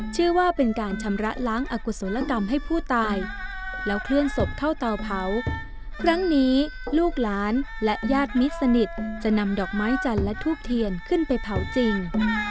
เชื่อว่าเป็นการชำระล้างอากุศลกรรมให้ผู้ตายแล้วเคลื่อนศพเข้าเตาเผาครั้งนี้ลูกหลานและญาติมิตรสนิทจะนำดอกไม้จันทร์และทูบเทียนขึ้นไปเผาจริง